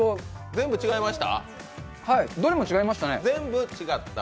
全部違いました？